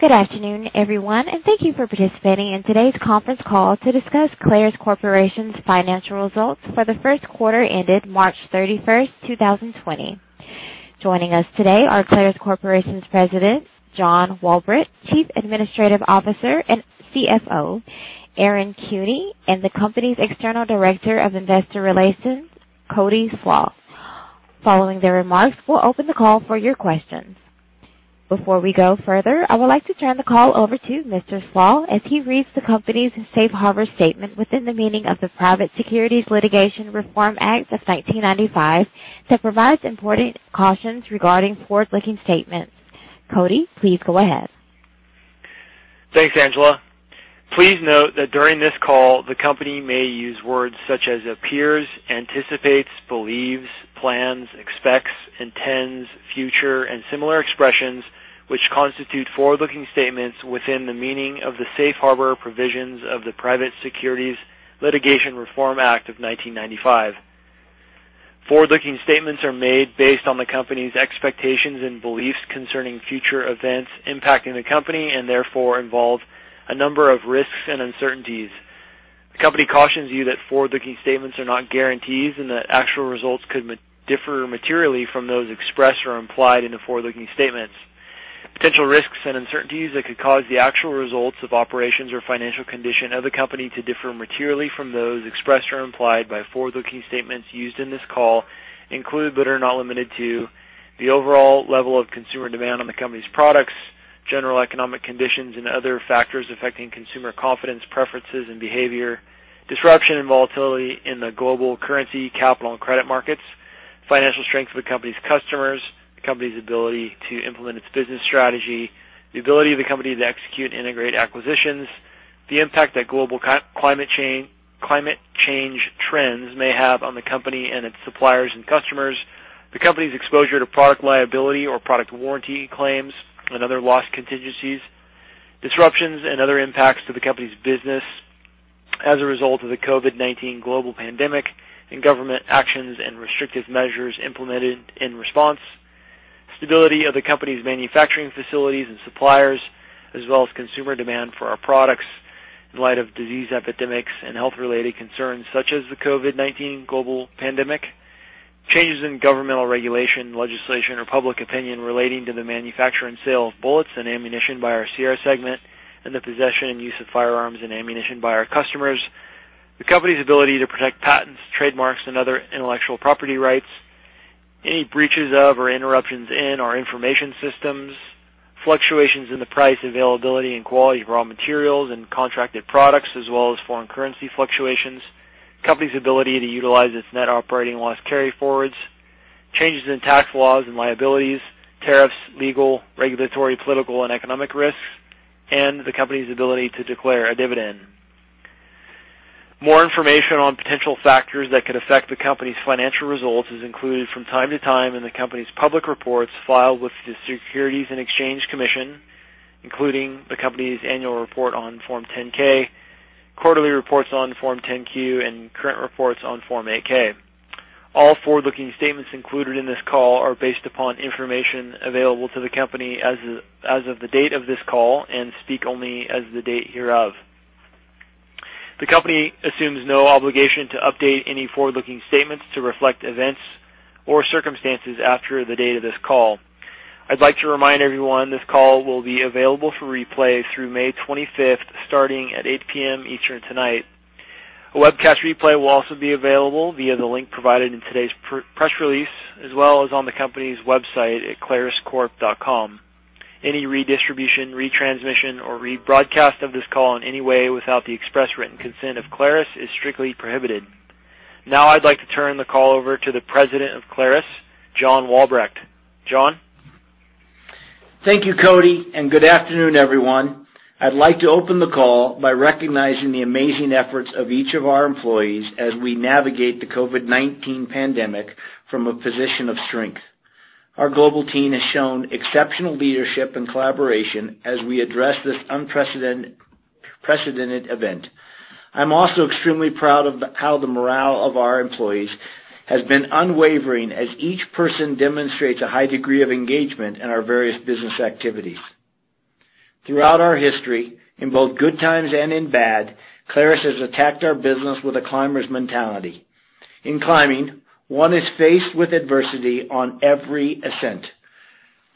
Good afternoon, everyone, and thank you for participating in today's conference call to discuss Clarus Corporation's financial results for the first quarter ended March 31st, 2020. Joining us today are Clarus Corporation's President, John Walbrecht, Chief Administrative Officer and CFO, Aaron Kuehne, and the company's External Director of Investor Relations, Cody Slach. Following their remarks, we'll open the call for your questions. Before we go further, I would like to turn the call over to Mr. Slach as he reads the company's Safe Harbor statement within the meaning of the Private Securities Litigation Reform Act of 1995 that provides important cautions regarding forward-looking statements. Cody, please go ahead. Thanks, Angela. Please note that during this call, the company may use words such as appears, anticipates, believes, plans, expects, intends, future, and similar expressions, which constitute forward-looking statements within the meaning of the safe harbor provisions of the Private Securities Litigation Reform Act of 1995. Forward-looking statements are made based on the company's expectations and beliefs concerning future events impacting the company, and therefore involve a number of risks and uncertainties. The company cautions you that forward-looking statements are not guarantees, and that actual results could differ materially from those expressed or implied in the forward-looking statements. Potential risks and uncertainties that could cause the actual results of operations or financial condition of the company to differ materially from those expressed or implied by forward-looking statements used in this call include, but are not limited to, the overall level of consumer demand on the company's products, general economic conditions, and other factors affecting consumer confidence, preferences, and behavior, disruption and volatility in the global currency, capital, and credit markets, financial strength of the company's customers, the company's ability to implement its business strategy, the ability of the company to execute integrate acquisitions, the impact that global climate change trends may have on the company and its suppliers and customers, the company's exposure to product liability or product warranty claims and other loss contingencies. Disruptions and other impacts to the company's business as a result of the COVID-19 global pandemic and government actions and restrictive measures implemented in response, stability of the company's manufacturing facilities and suppliers, as well as consumer demand for our products in light of disease epidemics and health-related concerns such as the COVID-19 global pandemic, changes in governmental regulation, legislation, or public opinion relating to the manufacture and sale of bullets and ammunition by our Sierra segment, and the possession and use of firearms and ammunition by our customers. The company's ability to protect patents, trademarks, and other intellectual property rights, any breaches of, or interruptions in our information systems, fluctuations in the price, availability, and quality of raw materials and contracted products, as well as foreign currency fluctuations, the company's ability to utilize its net operating loss carryforwards, changes in tax laws and liabilities, tariffs, legal, regulatory, political, and economic risks, and the company's ability to declare a dividend. More information on potential factors that could affect the company's financial results is included from time to time in the company's public reports filed with the Securities and Exchange Commission, including the company's annual report on Form 10-K, quarterly reports on Form 10-Q, and current reports on Form 8-K. All forward-looking statements included in this call are based upon information available to the company as of the date of this call and speak only as the date hereof. The company assumes no obligation to update any forward-looking statements to reflect events or circumstances after the date of this call. I'd like to remind everyone, this call will be available for replay through May 25th, starting at 8:00 P.M. Eastern tonight. A webcast replay will also be available via the link provided in today's press release, as well as on the company's website at claruscorp.com. Any redistribution, retransmission, or rebroadcast of this call in any way without the express written consent of Clarus is strictly prohibited. I'd like to turn the call over to the President of Clarus, John Walbrecht. John? Thank you, Cody, and good afternoon, everyone. I'd like to open the call by recognizing the amazing efforts of each of our employees as we navigate the COVID-19 pandemic from a position of strength. Our global team has shown exceptional leadership and collaboration as we address this unprecedented event. I'm also extremely proud of how the morale of our employees has been unwavering as each person demonstrates a high degree of engagement in our various business activities. Throughout our history, in both good times and in bad, Clarus has attacked our business with a climber's mentality. In climbing, one is faced with adversity on every ascent.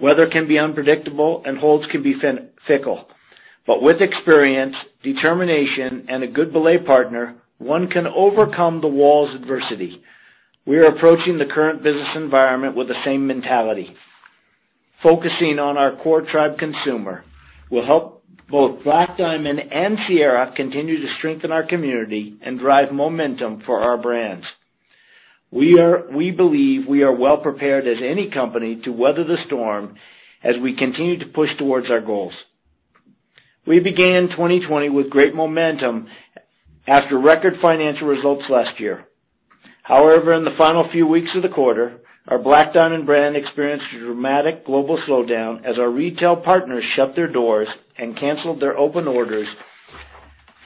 Weather can be unpredictable, and holds can be fickle. With experience, determination, and a good belay partner, one can overcome the wall's adversity. We are approaching the current business environment with the same mentality. Focusing on our core tribe consumer will help both Black Diamond and Sierra continue to strengthen our community and drive momentum for our brands. We believe we are well prepared as any company to weather the storm as we continue to push towards our goals. We began 2020 with great momentum after record financial results last year. In the final few weeks of the quarter, our Black Diamond brand experienced a dramatic global slowdown as our retail partners shut their doors and canceled their open orders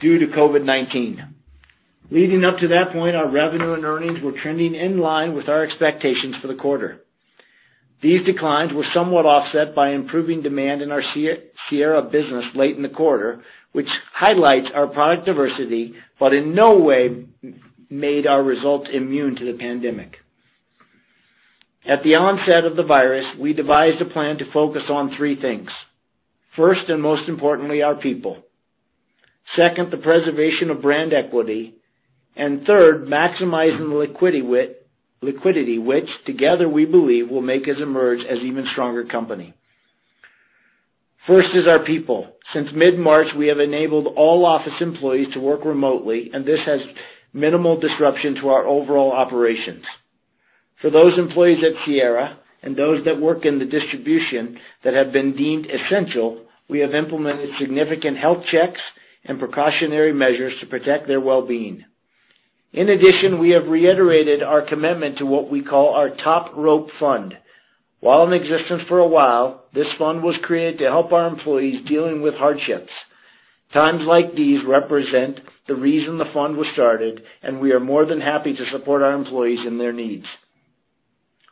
due to COVID-19. Leading up to that point, our revenue and earnings were trending in line with our expectations for the quarter. These declines were somewhat offset by improving demand in our Sierra business late in the quarter, which highlights our product diversity, but in no way made our results immune to the pandemic. At the onset of the virus, we devised a plan to focus on three things. First, and most importantly, our people. Second, the preservation of brand equity. Third, maximizing liquidity, which together we believe will make us emerge as even stronger company. First is our people. Since mid-March, we have enabled all office employees to work remotely, and this has minimal disruption to our overall operations. For those employees at Sierra and those that work in the distribution that have been deemed essential, we have implemented significant health checks and precautionary measures to protect their well-being. In addition, we have reiterated our commitment to what we call our Top Rope Fund. While in existence for a while, this fund was created to help our employees dealing with hardships. Times like these represent the reason the fund was started, and we are more than happy to support our employees and their needs.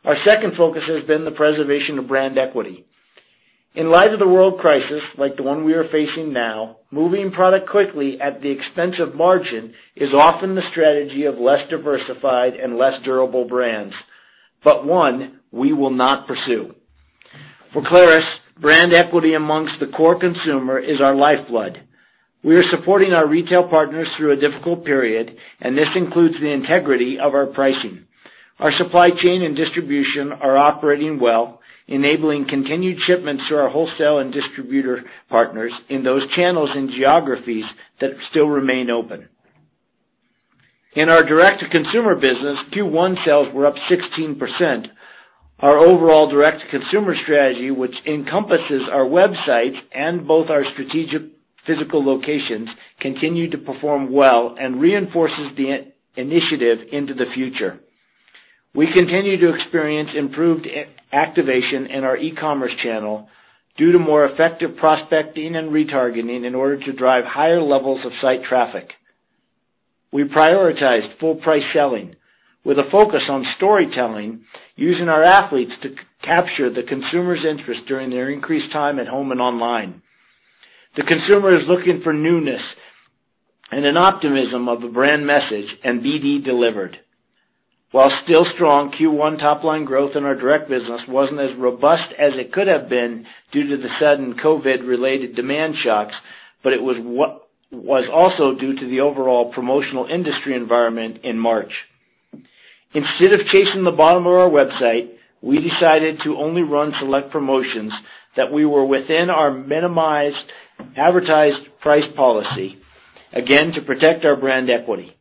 Our second focus has been the preservation of brand equity. In light of the world crisis like the one we are facing now, moving product quickly at the expense of margin is often the strategy of less diversified and less durable brands, but one we will not pursue. For Clarus, brand equity amongst the core consumer is our lifeblood. We are supporting our retail partners through a difficult period, and this includes the integrity of our pricing. Our supply chain and distribution are operating well, enabling continued shipments to our wholesale and distributor partners in those channels and geographies that still remain open. In our direct-to-consumer business, Q1 sales were up 16%. Our overall direct-to-consumer strategy, which encompasses our websites and both our strategic physical locations, continue to perform well and reinforces the initiative into the future. We continue to experience improved activation in our e-commerce channel due to more effective prospecting and retargeting in order to drive higher levels of site traffic. We prioritized full price selling with a focus on storytelling, using our athletes to capture the consumer's interest during their increased time at home and online. The consumer is looking for newness and an optimism of a brand message, and BD delivered. While still strong, Q1 top line growth in our direct business wasn't as robust as it could have been due to the sudden COVID-19-related demand shocks, but it was also due to the overall promotional industry environment in March. Instead of chasing the bottom of our website, we decided to only run select promotions that we were within our Minimum Advertised Price policy, again, to protect our brand equity.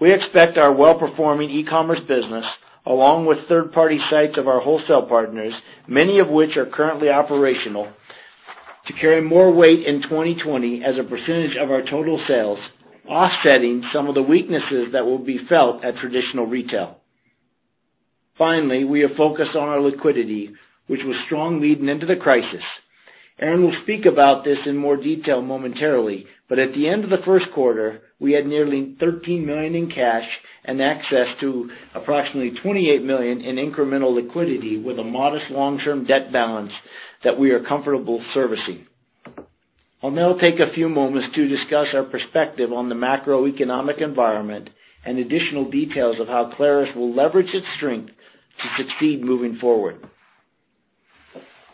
We expect our well-performing e-commerce business, along with third-party sites of our wholesale partners, many of which are currently operational, to carry more weight in 2020 as a % of our total sales, offsetting some of the weaknesses that will be felt at traditional retail. Finally, we are focused on our liquidity, which was strong leading into the crisis, and we'll speak about this in more detail momentarily. At the end of the first quarter, we had nearly $13 million in cash and access to approximately $28 million in incremental liquidity with a modest long-term debt balance that we are comfortable servicing. I'll now take a few moments to discuss our perspective on the macroeconomic environment and additional details of how Clarus will leverage its strength to succeed moving forward.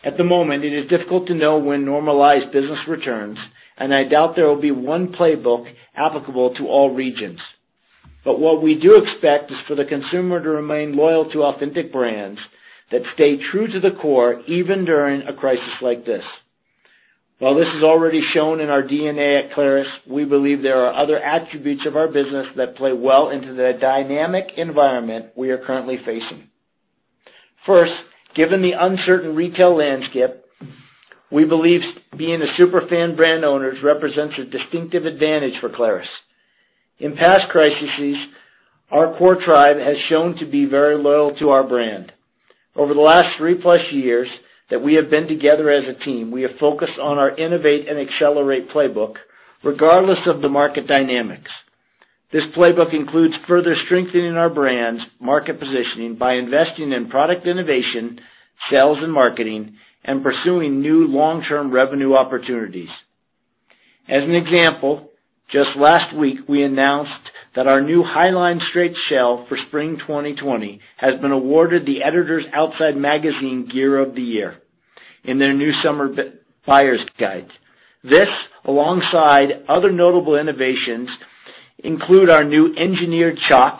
At the moment, it is difficult to know when normalized business returns, and I doubt there will be one playbook applicable to all regions. What we do expect is for the consumer to remain loyal to authentic brands that stay true to the core, even during a crisis like this. While this is already shown in our DNA at Clarus, we believe there are other attributes of our business that play well into the dynamic environment we are currently facing. First, given the uncertain retail landscape, we believe being a super fan brand owners represents a distinctive advantage for Clarus. In past crises, our core tribe has shown to be very loyal to our brand. Over the last three-plus years that we have been together as a team, we have focused on our innovate and accelerate playbook, regardless of the market dynamics. This playbook includes further strengthening our brand's market positioning by investing in product innovation, sales, and marketing, and pursuing new long-term revenue opportunities. As an example, just last week, we announced that our new HighLine Stretch Shell for spring 2020 has been awarded the editors Outside Magazine Gear of the Year in their new summer buyer's guide. This, alongside other notable innovations, include our new engineered chalk,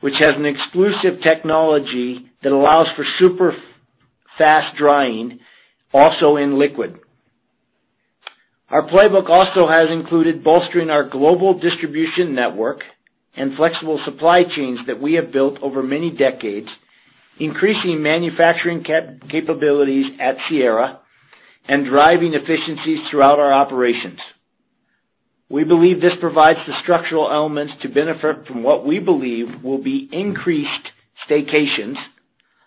which has an exclusive technology that allows for super fast drying, also in liquid. Our playbook also has included bolstering our global distribution network and flexible supply chains that we have built over many decades, increasing manufacturing capabilities at Sierra, and driving efficiencies throughout our operations. We believe this provides the structural elements to benefit from what we believe will be increased staycations.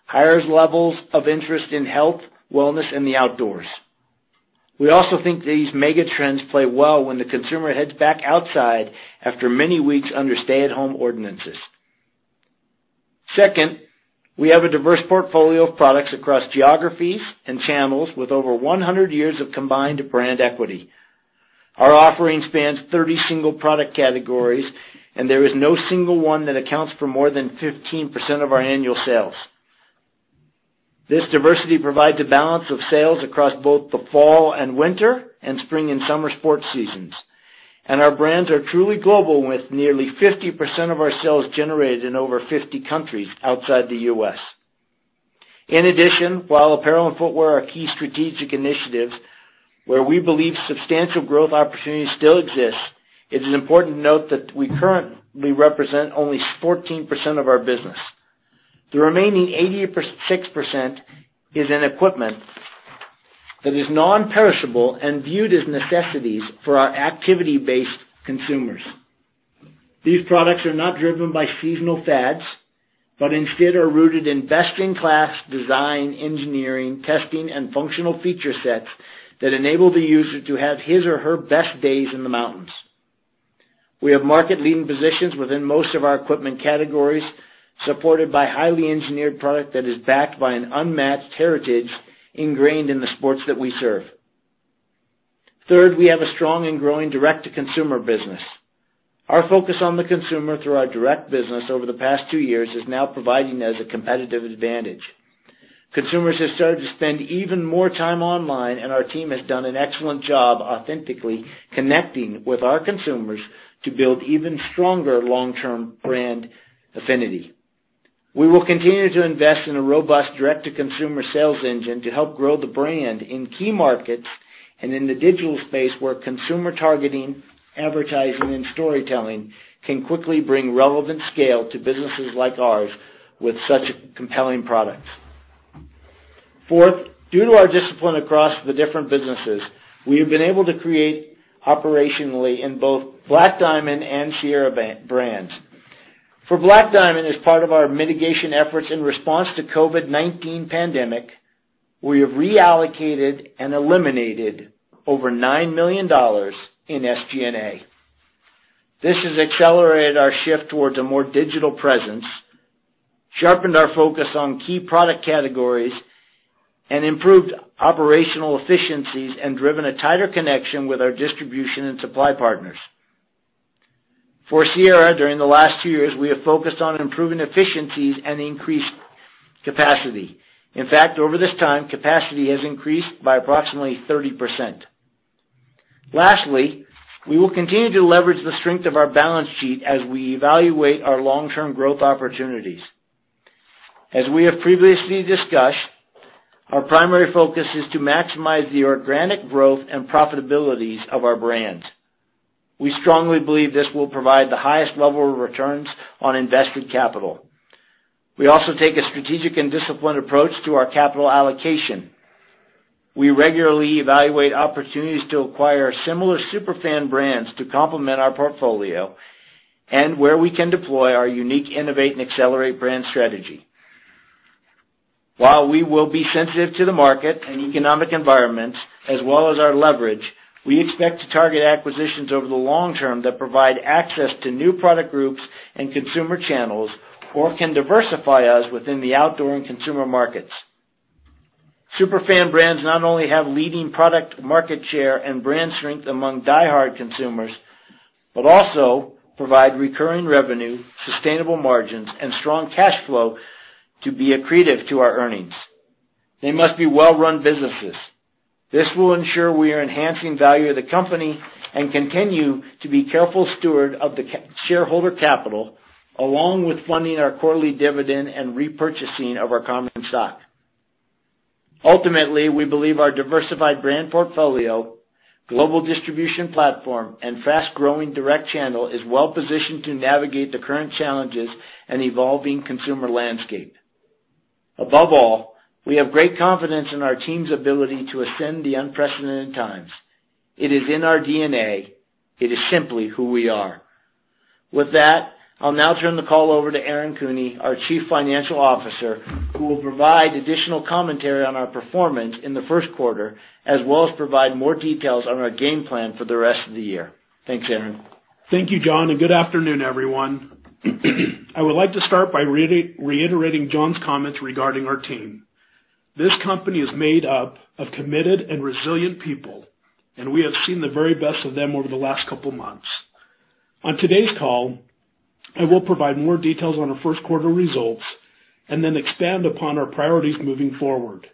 Higher levels of interest in health, wellness, and the outdoors. We also think these mega trends play well when the consumer heads back outside after many weeks under stay-at-home ordinances. Second, we have a diverse portfolio of products across geographies and channels, with over 100 years of combined brand equity. Our offering spans 30 single product categories. There is no single one that accounts for more than 15% of our annual sales. This diversity provides a balance of sales across both the fall and winter and spring and summer sports seasons. Our brands are truly global with nearly 50% of our sales generated in over 50 countries outside the U.S. In addition, while apparel and footwear are key strategic initiatives where we believe substantial growth opportunities still exist, it is important to note that we currently represent only 14% of our business. The remaining 86% is in equipment that is non-perishable and viewed as necessities for our activity-based consumers. These products are not driven by seasonal fads, but instead are rooted in best-in-class design, engineering, testing, and functional feature sets that enable the user to have his or her best days in the mountains. We have market-leading positions within most of our equipment categories, supported by highly engineered product that is backed by an unmatched heritage ingrained in the sports that we serve. Third, we have a strong and growing direct-to-consumer business. Our focus on the consumer through our direct business over the past two years is now providing us a competitive advantage. Consumers have started to spend even more time online, and our team has done an excellent job authentically connecting with our consumers to build even stronger long-term brand affinity. We will continue to invest in a robust direct-to-consumer sales engine to help grow the brand in key markets and in the digital space where consumer targeting, advertising, and storytelling can quickly bring relevant scale to businesses like ours with such compelling products. Fourth, due to our discipline across the different businesses, we have been able to create operationally in both Black Diamond and Sierra brands. For Black Diamond, as part of our mitigation efforts in response to COVID-19, we have reallocated and eliminated over $9 million in SG&A. This has accelerated our shift towards a more digital presence, sharpened our focus on key product categories, and improved operational efficiencies, and driven a tighter connection with our distribution and supply partners. For Sierra, during the last two years, we have focused on improving efficiencies and increased capacity. In fact, over this time, capacity has increased by approximately 30%. Lastly, we will continue to leverage the strength of our balance sheet as we evaluate our long-term growth opportunities. As we have previously discussed, our primary focus is to maximize the organic growth and profitabilities of our brands. We strongly believe this will provide the highest level of returns on invested capital. We also take a strategic and disciplined approach to our capital allocation. We regularly evaluate opportunities to acquire similar super fan brands to complement our portfolio and where we can deploy our unique innovate and accelerate brand strategy. While we will be sensitive to the market and economic environments as well as our leverage, we expect to target acquisitions over the long term that provide access to new product groups and consumer channels or can diversify us within the outdoor and consumer markets. Super fan brands not only have leading product market share and brand strength among diehard consumers, but also provide recurring revenue, sustainable margins, and strong cash flow to be accretive to our earnings. They must be well-run businesses. This will ensure we are enhancing value of the company and continue to be careful steward of the shareholder capital, along with funding our quarterly dividend and repurchasing of our common stock. Ultimately, we believe our diversified brand portfolio, global distribution platform, and fast-growing direct channel is well positioned to navigate the current challenges and evolving consumer landscape. Above all, we have great confidence in our team's ability to ascend the unprecedented times. It is in our DNA. It is simply who we are. With that, I'll now turn the call over to Aaron Kuehne, our Chief Financial Officer, who will provide additional commentary on our performance in the first quarter, as well as provide more details on our game plan for the rest of the year. Thanks, Aaron. Thank you, John, good afternoon, everyone. I would like to start by reiterating John's comments regarding our team. This company is made up of committed and resilient people, and we have seen the very best of them over the last couple of months. On today's call, I will provide more details on our first quarter results and then expand upon our priorities moving forward.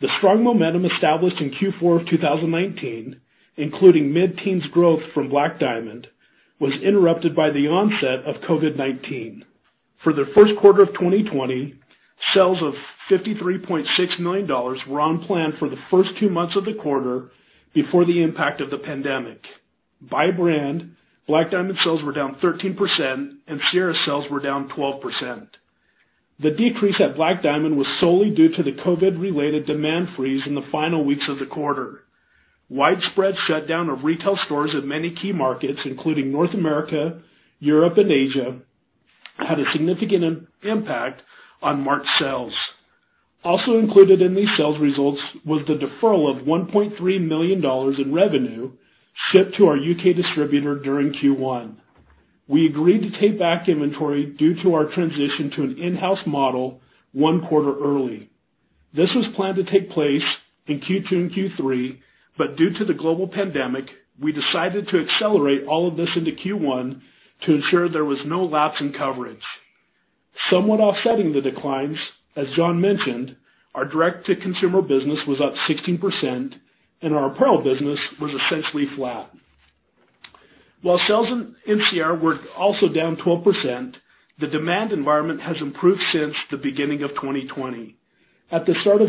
The strong momentum established in Q4 of 2019, including mid-teens growth from Black Diamond, was interrupted by the onset of COVID-19. For the first quarter of 2020, sales of $53.6 million were on plan for the first two months of the quarter before the impact of the pandemic. By brand, Black Diamond sales were down 13% and Sierra sales were down 12%. The decrease at Black Diamond was solely due to the COVID-related demand freeze in the final weeks of the quarter. Widespread shutdown of retail stores in many key markets, including North America, Europe, and Asia, had a significant impact on March sales. Also included in these sales results was the deferral of $1.3 million in revenue shipped to our U.K. distributor during Q1. We agreed to take back inventory due to our transition to an in-house model one quarter early. This was planned to take place in Q2 and Q3. Due to the global pandemic, we decided to accelerate all of this into Q1 to ensure there was no lapse in coverage. Somewhat offsetting the declines, as John mentioned, our direct-to-consumer business was up 16%, and our apparel business was essentially flat. Sales in Sierra were also down 12%. The demand environment has improved since the beginning of 2020. At the start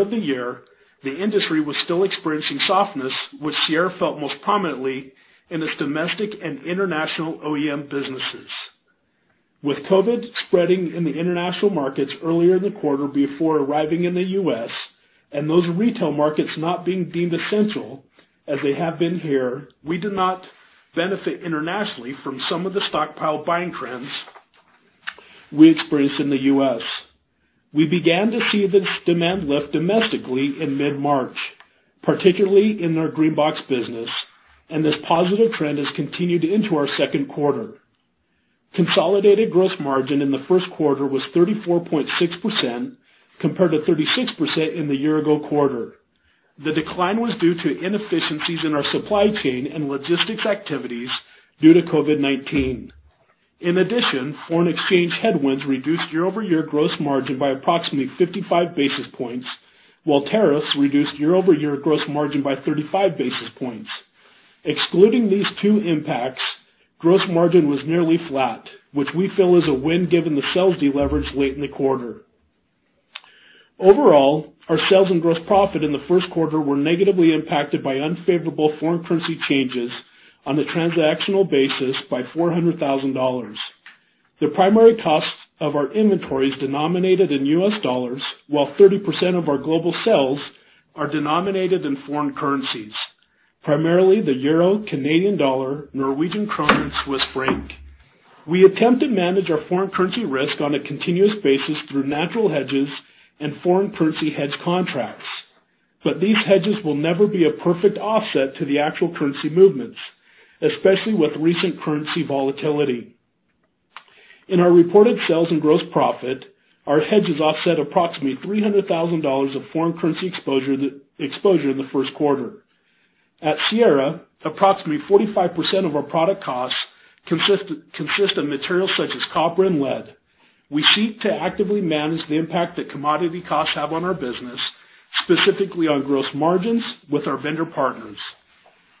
of the year, the industry was still experiencing softness, which Sierra felt most prominently in its domestic and international OEM businesses. With COVID spreading in the international markets earlier in the one quarter before arriving in the U.S., and those retail markets not being deemed essential as they have been here, we did not benefit internationally from some of the stockpile buying trends we experienced in the U.S. We began to see this demand lift domestically in mid-March, particularly in our Green Box business, and this positive trend has continued into our second quarter. Consolidated gross margin in the first quarter was 34.6% compared to 36% in the year-ago quarter. The decline was due to inefficiencies in our supply chain and logistics activities due to COVID-19. In addition, foreign exchange headwinds reduced year-over-year gross margin by approximately 55 basis points, while tariffs reduced year-over-year gross margin by 35 basis points. Excluding these two impacts, gross margin was nearly flat, which we feel is a win given the sales deleverage late in the quarter. Overall, our sales and gross profit in the first quarter were negatively impacted by unfavorable foreign currency changes on a transactional basis by $400,000. The primary cost of our inventory is denominated in US dollars, while 30% of our global sales are denominated in foreign currencies, primarily the euro, Canadian dollar, Norwegian kroner, and Swiss franc. We attempt to manage our foreign currency risk on a continuous basis through natural hedges and foreign currency hedge contracts. These hedges will never be a perfect offset to the actual currency movements, especially with recent currency volatility. In our reported sales and gross profit, our hedges offset approximately $300,000 of foreign currency exposure in the first quarter. At Sierra, approximately 45% of our product costs consist of materials such as copper and lead. We seek to actively manage the impact that commodity costs have on our business, specifically on gross margins with our vendor partners.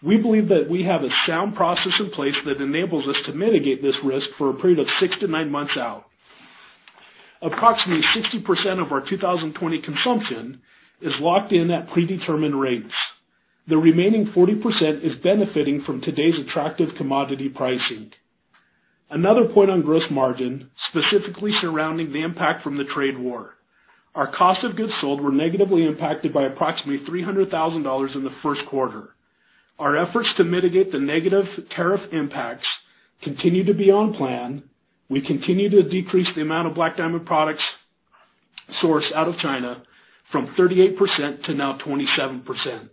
We believe that we have a sound process in place that enables us to mitigate this risk for a period of six to nine months out. Approximately 60% of our 2020 consumption is locked in at predetermined rates. The remaining 40% is benefiting from today's attractive commodity pricing. Another point on gross margin, specifically surrounding the impact from the trade war. Our cost of goods sold were negatively impacted by approximately $300,000 in the first quarter. Our efforts to mitigate the negative tariff impacts continue to be on plan. We continue to decrease the amount of Black Diamond products sourced out of China from 38% to now 27%.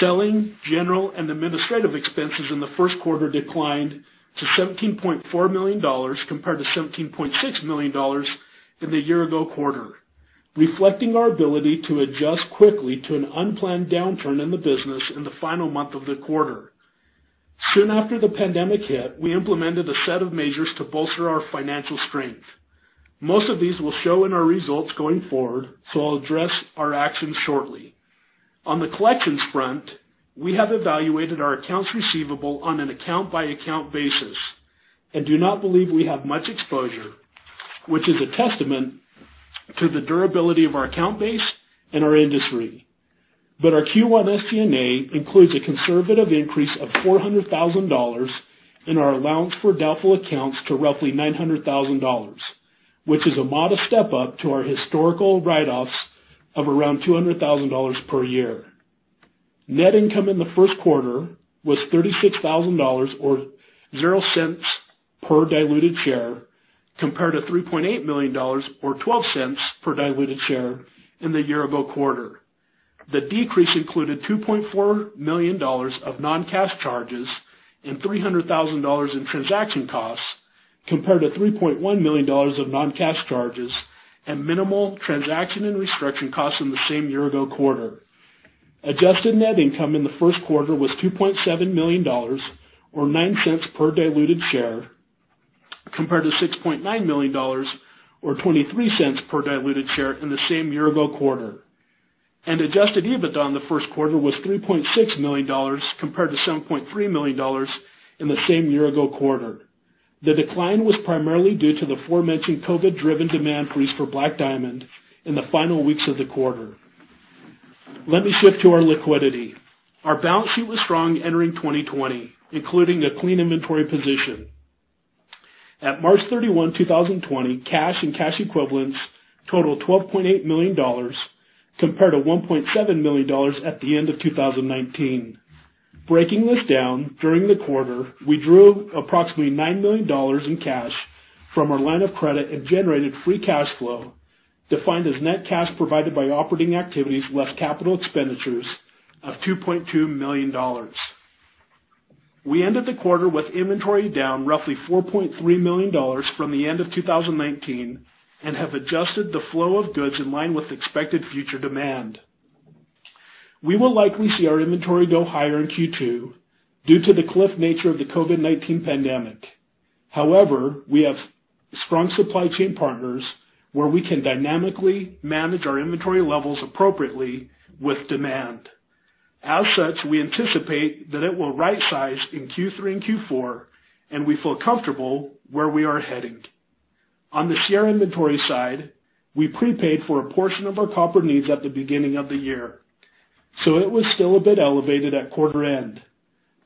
Selling, general, and administrative expenses in the first quarter declined to $17.4 million compared to $17.6 million in the year-ago quarter, reflecting our ability to adjust quickly to an unplanned downturn in the business in the final month of the quarter. Soon after the pandemic hit, we implemented a set of measures to bolster our financial strength. Most of these will show in our results going forward, so I'll address our actions shortly. On the collections front, we have evaluated our accounts receivable on an account-by-account basis and do not believe we have much exposure, which is a testament to the durability of our account base and our industry. Our Q1 SG&A includes a conservative increase of $400,000 in our allowance for doubtful accounts to roughly $900,000, which is a modest step-up to our historical write-offs of around $200,000 per year. Net income in the first quarter was $36,000 or $0.00 per diluted share, compared to $3.8 million or $0.12 per diluted share in the year-ago quarter. The decrease included $2.4 million of non-cash charges and $300,000 in transaction costs, compared to $3.1 million of non-cash charges and minimal transaction and restructuring costs in the same year-ago quarter. Adjusted net income in the first quarter was $2.7 million, or $0.09 per diluted share, compared to $6.9 million, or $0.23 per diluted share in the same year-ago quarter. Adjusted EBITDA in the first quarter was $3.6 million compared to $7.3 million in the same year-ago quarter. The decline was primarily due to the aforementioned COVID-driven demand freeze for Black Diamond in the final weeks of the quarter. Let me shift to our liquidity. Our balance sheet was strong entering 2020, including a clean inventory position. At March 31, 2020, cash and cash equivalents totaled $12.8 million compared to $1.7 million at the end of 2019. Breaking this down, during the quarter, we drew approximately $9 million in cash from our line of credit and generated free cash flow defined as net cash provided by operating activities less capital expenditures of $2.2 million. We ended the quarter with inventory down roughly $4.3 million from the end of 2019 and have adjusted the flow of goods in line with expected future demand. We will likely see our inventory go higher in Q2 due to the cliff nature of the COVID-19 pandemic. However, we have strong supply chain partners where we can dynamically manage our inventory levels appropriately with demand. As such, we anticipate that it will right size in Q3 and Q4, and we feel comfortable where we are heading. On the Sierra inventory side, we prepaid for a portion of our copper needs at the beginning of the year, so it was still a bit elevated at quarter end.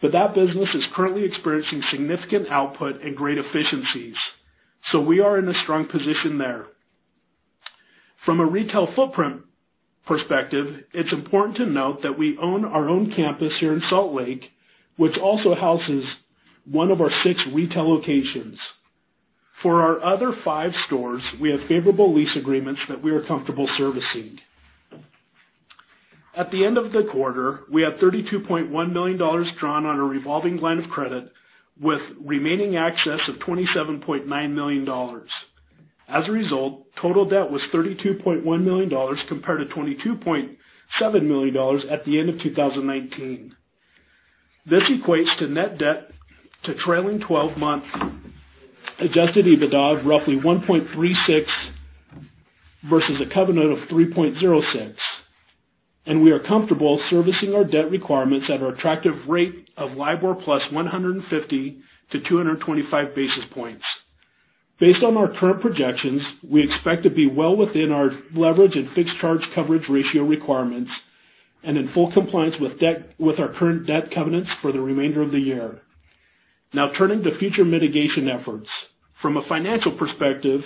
But that business is currently experiencing significant output and great efficiencies, so we are in a strong position there. From a retail footprint perspective, it is important to note that we own our own campus here in Salt Lake, which also houses one of our six retail locations. For our other five stores, we have favorable lease agreements that we are comfortable servicing. At the end of the quarter, we had $32.1 million drawn on a revolving line of credit with remaining access of $27.9 million. As a result, total debt was $32.1 million compared to $22.7 million at the end of 2019. This equates to net debt to trailing 12-month adjusted EBITDA of roughly 1.36x versus a covenant of 3.06x, and we are comfortable servicing our debt requirements at our attractive rate of LIBOR plus 150 to 225 basis points. Based on our current projections, we expect to be well within our leverage and fixed charge coverage ratio requirements and in full compliance with our current debt covenants for the remainder of the year. Turning to future mitigation efforts. From a financial perspective,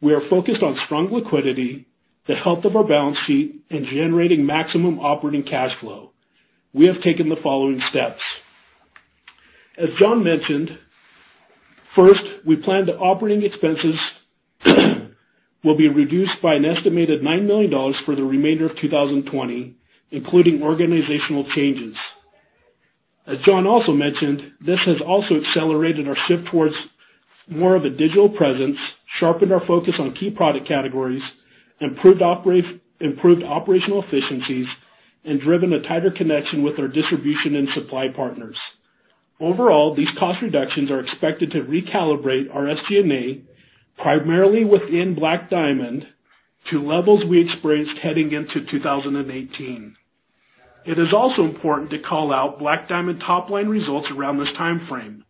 we are focused on strong liquidity, the health of our balance sheet, and generating maximum operating cash flow. We have taken the following steps. As John mentioned, first, we plan that operating expenses will be reduced by an estimated $9 million for the remainder of 2020, including organizational changes. As John also mentioned, this has also accelerated our shift towards more of a digital presence, sharpened our focus on key product categories, improved operational efficiencies, and driven a tighter connection with our distribution and supply partners. Overall, these cost reductions are expected to recalibrate our SG&A, primarily within Black Diamond, to levels we experienced heading into 2018. It is also important to call out Black Diamond top-line results around this timeframe.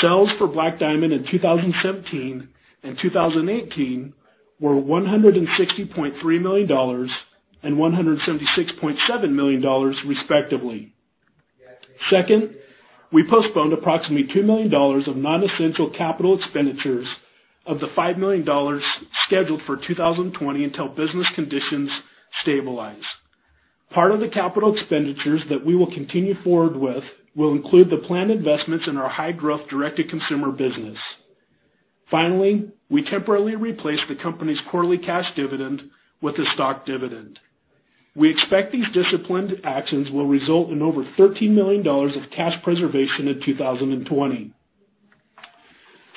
Sales for Black Diamond in 2017 and 2018 were $160.3 million and $176.7 million, respectively. Second, we postponed approximately $2 million of non-essential capital expenditures of the $5 million scheduled for 2020 until business conditions stabilize. Part of the capital expenditures that we will continue forward with will include the planned investments in our high-growth direct-to-consumer business. We temporarily replaced the company's quarterly cash dividend with a stock dividend. We expect these disciplined actions will result in over $13 million of cash preservation in 2020.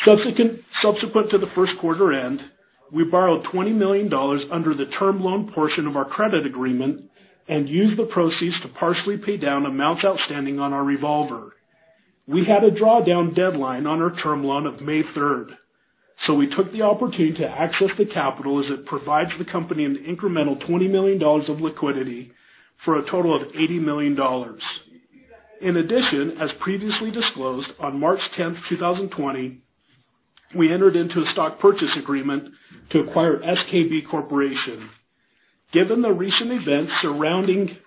Subsequent to the first quarter end, we borrowed $20 million under the term loan portion of our credit agreement and used the proceeds to partially pay down amounts outstanding on our revolver. We had a drawdown deadline on our term loan of May 3rd, we took the opportunity to access the capital as it provides the company an incremental $20 million of liquidity for a total of $80 million. As previously disclosed, on March 10th, 2020, we entered into a stock purchase agreement to acquire SKINourishment Corporation. Given the recent events surrounding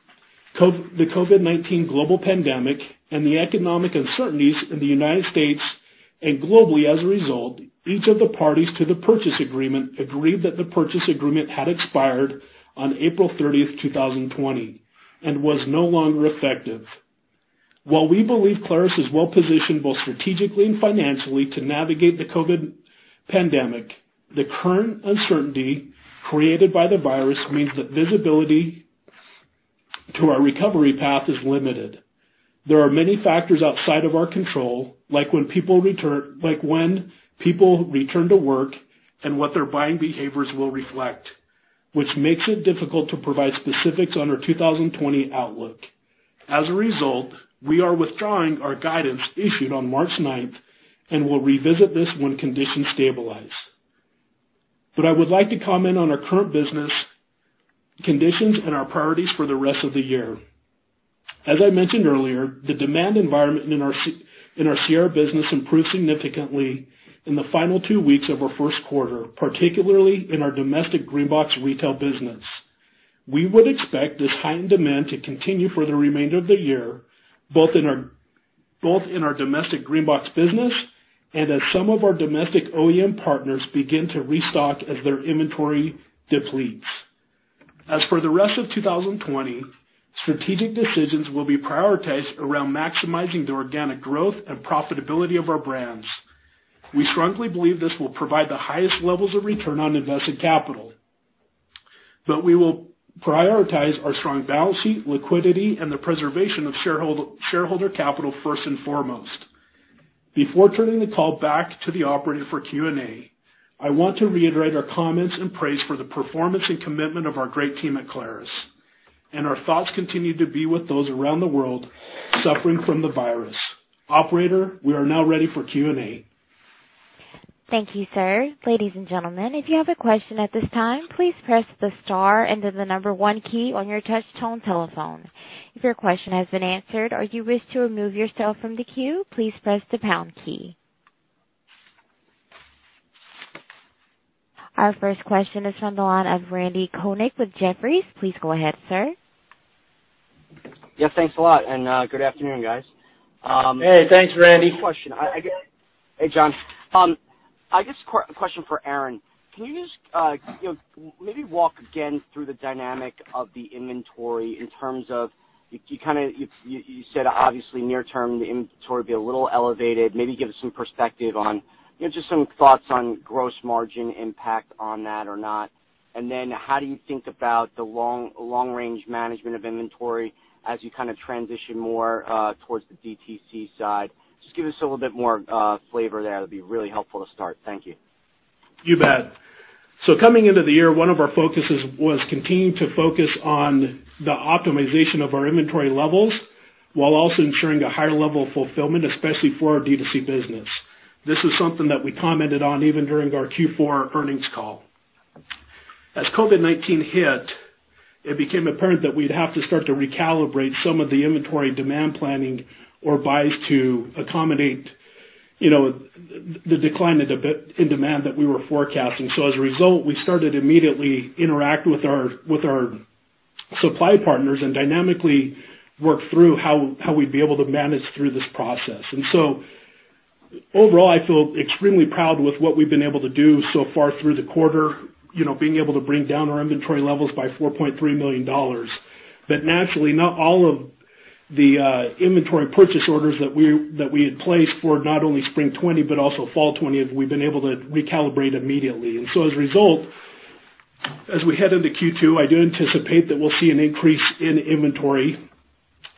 the COVID-19 global pandemic and the economic uncertainties in the U.S. and globally as a result, each of the parties to the purchase agreement agreed that the purchase agreement had expired on April 30th, 2020, and was no longer effective. While we believe Clarus is well-positioned both strategically and financially to navigate the COVID pandemic, the current uncertainty created by the virus means that visibility to our recovery path is limited. There are many factors outside of our control, like when people return to work and what their buying behaviors will reflect, which makes it difficult to provide specifics on our 2020 outlook. As a result, we are withdrawing our guidance issued on March 9th and will revisit this when conditions stabilize. I would like to comment on our current business conditions and our priorities for the rest of the year. As I mentioned earlier, the demand environment in our Sierra business improved significantly in the final two weeks of our first quarter, particularly in our domestic Green Box retail business. We would expect this heightened demand to continue for the remainder of the year, both in our domestic Green Box business and as some of our domestic OEM partners begin to restock as their inventory depletes. As for the rest of 2020, strategic decisions will be prioritized around maximizing the organic growth and profitability of our brands. We strongly believe this will provide the highest levels of return on invested capital, but we will prioritize our strong balance sheet liquidity and the preservation of shareholder capital first and foremost. Before turning the call back to the operator for Q&A, I want to reiterate our comments and praise for the performance and commitment of our great team at Clarus. Our thoughts continue to be with those around the world suffering from the virus. Operator, we are now ready for Q&A. Thank you, sir. Ladies and gentlemen, if you have a question at this time, please press the star and then the number one key on your touch-tone telephone. If your question has been answered or you wish to remove yourself from the queue, please press the pound key. Our first question is from the line of Randy Konik with Jefferies. Please go ahead, sir. Yeah, thanks a lot, and good afternoon, guys. Hey, thanks, Randy. Question. Hey, John. I guess, a question for Aaron. Can you just maybe walk again through the dynamic of the inventory in terms of You said obviously near term, the inventory will be a little elevated. Maybe give us some perspective on just some thoughts on gross margin impact on that or not. Then how do you think about the long range management of inventory as you kind of transition more towards the DTC side? Just give us a little bit more flavor there. That'd be really helpful to start. Thank you. You bet. Coming into the year, one of our focuses was continuing to focus on the optimization of our inventory levels while also ensuring a higher level of fulfillment, especially for our DTC business. This is something that we commented on even during our Q4 earnings call. As COVID-19 hit, it became apparent that we'd have to start to recalibrate some of the inventory demand planning or buys to accommodate the decline in demand that we were forecasting. As a result, we started to immediately interact with our supply partners and dynamically work through how we'd be able to manage through this process. Overall, I feel extremely proud with what we've been able to do so far through the quarter, being able to bring down our inventory levels by $4.3 million. Naturally, not all of the inventory purchase orders that we had placed for not only spring 2020, but also fall 2020 have we been able to recalibrate immediately. As a result, as we head into Q2, I do anticipate that we'll see an increase in inventory,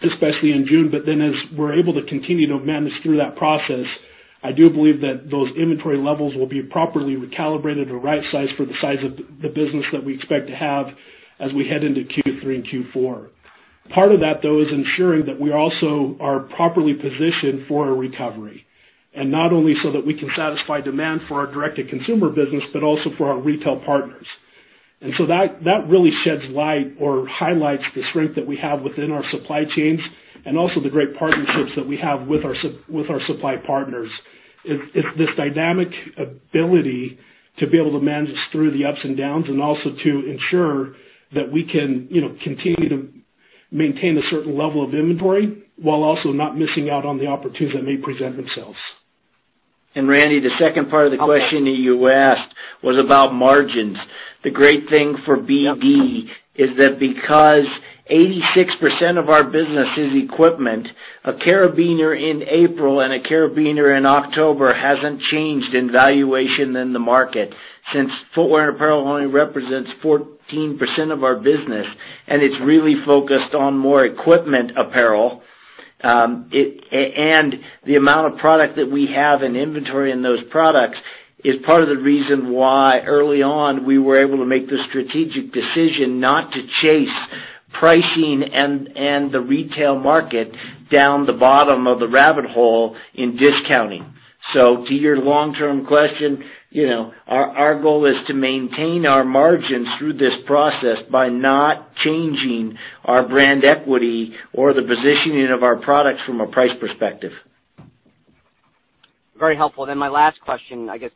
especially in June. As we're able to continue to manage through that process, I do believe that those inventory levels will be properly recalibrated or right-sized for the size of the business that we expect to have as we head into Q3 and Q4. Part of that, though, is ensuring that we also are properly positioned for a recovery, and not only so that we can satisfy demand for our direct-to-consumer business, but also for our retail partners. That really sheds light or highlights the strength that we have within our supply chains and also the great partnerships that we have with our supply partners. It's this dynamic ability to be able to manage through the ups and downs and also to ensure that we can continue to maintain a certain level of inventory while also not missing out on the opportunities that may present themselves. Randy, the second part of the question that you asked was about margins. The great thing for BD is that because 86% of our business is equipment, a carabiner in April and a carabiner in October hasn't changed in valuation in the market. Since footwear and apparel only represents 14% of our business, and it's really focused on more equipment apparel. The amount of product that we have in inventory in those products is part of the reason why early on, we were able to make the strategic decision not to chase pricing and the retail market down the bottom of the rabbit hole in discounting. To your long-term question, our goal is to maintain our margins through this process by not changing our brand equity or the positioning of our products from a price perspective. Very helpful. My last question, I guess,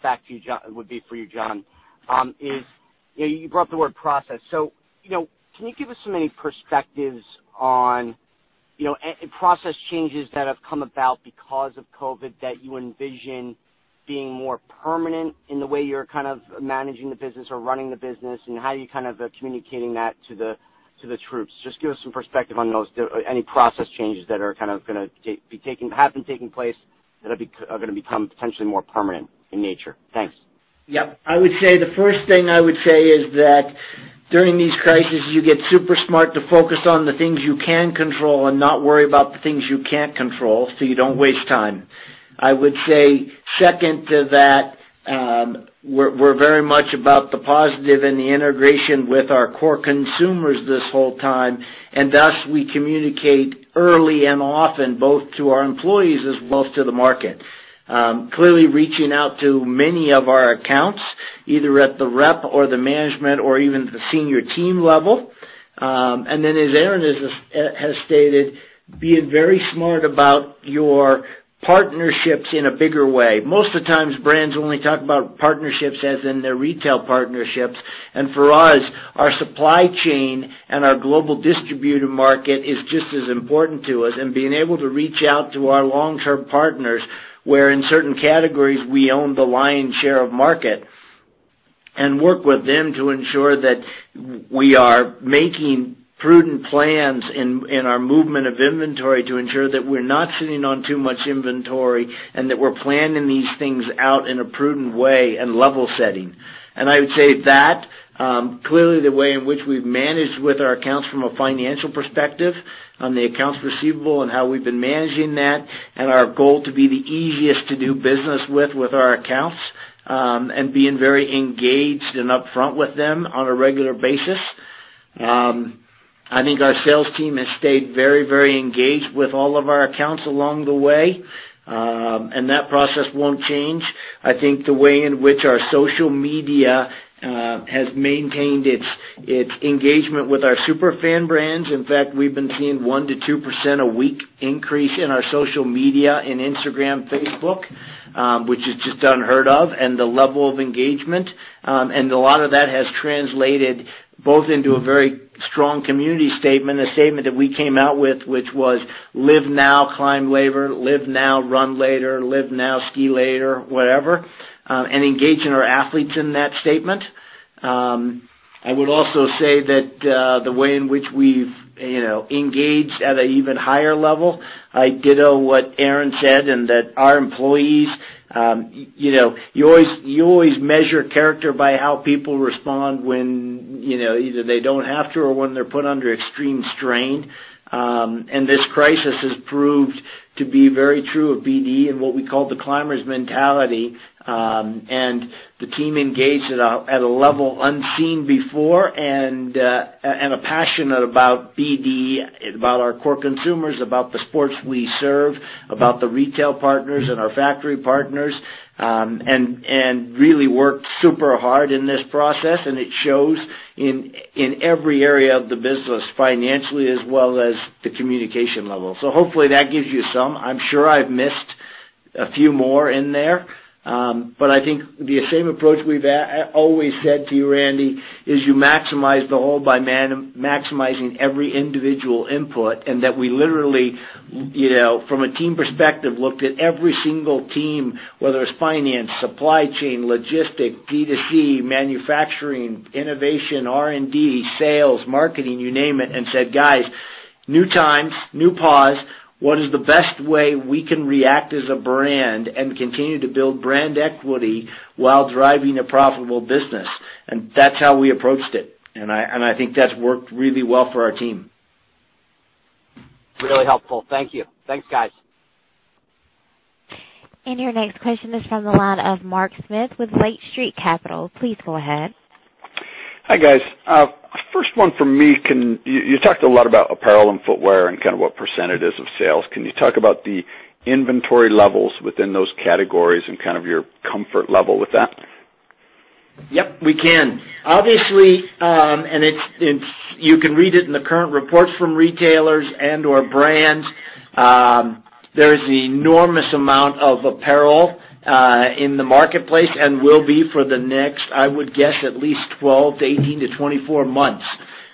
would be for you, John. You brought up the word process. Can you give us some perspectives on process changes that have come about because of COVID-19 that you envision being more permanent in the way you're kind of managing the business or running the business, and how you're kind of communicating that to the troops? Just give us some perspective on those. Any process changes that have been taking place that are going to become potentially more permanent in nature? Thanks. Yeah. The first thing I would say is that during these crises, you get super smart to focus on the things you can control and not worry about the things you can't control, so you don't waste time. I would say second to that, we're very much about the positive and the integration with our core consumers this whole time. Thus we communicate early and often, both to our employees as well as to the market. Clearly reaching out to many of our accounts, either at the rep or the management or even the senior team level. As Aaron has stated, being very smart about your partnerships in a bigger way. Most of the times, brands only talk about partnerships as in their retail partnerships. For us, our supply chain and our global distributor market is just as important to us, and being able to reach out to our long-term partners, where in certain categories, we own the lion's share of market, and work with them to ensure that we are making prudent plans in our movement of inventory to ensure that we're not sitting on too much inventory and that we're planning these things out in a prudent way and level setting. I would say that, clearly the way in which we've managed with our accounts from a financial perspective on the accounts receivable and how we've been managing that, and our goal to be the easiest to do business with our accounts, and being very engaged and upfront with them on a regular basis. I think our sales team has stayed very engaged with all of our accounts along the way. That process won't change. I think the way in which our social media has maintained its engagement with our super fan brands. In fact, we've been seeing 1%-2% a week increase in our social media in Instagram, Facebook, which is just unheard of, and the level of engagement. A lot of that has translated both into a very strong community statement, a statement that we came out with, which was, live now, climb later. Live now, run later. Live now, ski later, whatever. Engaging our athletes in that statement. I would also say that, the way in which we've engaged at an even higher level. I ditto what Aaron said. You always measure character by how people respond when either they don't have to or when they're put under extreme strain. This crisis has proved to be very true of BD and what we call the climber's mentality, the team engaged at a level unseen before and passionate about BD, about our core consumers, about the sports we serve, about the retail partners and our factory partners, and really worked super hard in this process. It shows in every area of the business, financially as well as the communication level. Hopefully, that gives you some. I'm sure I've missed a few more in there. I think the same approach we've always said to you, Randy Konik, is you maximize the whole by maximizing every individual input, and that we literally from a team perspective, looked at every single team, whether it's finance, supply chain, logistics, D2C, manufacturing, innovation, R&D, sales, marketing, you name it, and said, "Guys, new times, new pause. What is the best way we can react as a brand and continue to build brand equity while driving a profitable business?" That's how we approached it. I think that's worked really well for our team. Really helpful. Thank you. Thanks, guys. Your next question is from the line of Mark Smith with Lake Street Capital. Please go ahead. Hi, guys. First one from me. You talked a lot about apparel and footwear and kind of what % is of sales. Can you talk about the inventory levels within those categories and kind of your comfort level with that? Yep. Obviously, you can read it in the current reports from retailers and/or brands. There's an enormous amount of apparel in the marketplace and will be for the next, I would guess at least 12-18-24 months.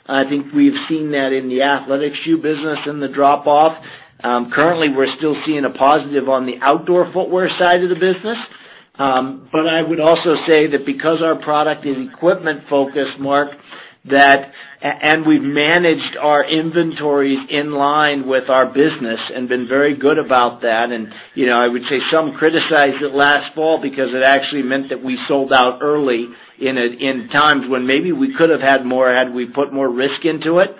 I think we've seen that in the athletic shoe business in the drop-off. Currently, we're still seeing a positive on the outdoor footwear side of the business. I would also say that because our product is equipment-focused, Mark, and we've managed our inventory in line with our business and been very good about that. I would say some criticized it last fall because it actually meant that we sold out early in times when maybe we could have had more had we put more risk into it,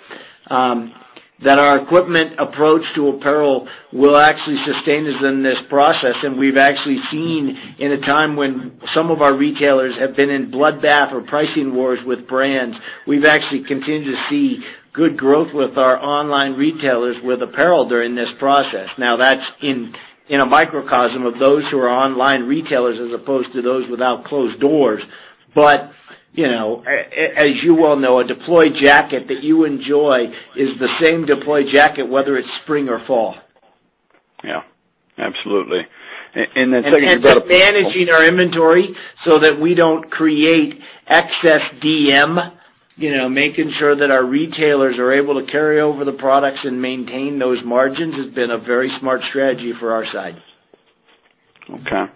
that our equipment approach to apparel will actually sustain us in this process. We've actually seen in a time when some of our retailers have been in bloodbath or pricing wars with brands, we've actually continued to see good growth with our online retailers with apparel during this process. That's in a microcosm of those who are online retailers as opposed to those without closed doors. As you well know, a Deploy jacket that you enjoy is the same Deploy jacket, whether it's spring or fall. Yeah. Absolutely. Managing our inventory so that we don't create excess DM, making sure that our retailers are able to carry over the products and maintain those margins has been a very smart strategy for our side. Okay.